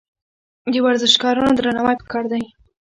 د ورزشکارانو درناوی پکار دی.